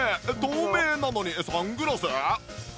透明なのにサングラス？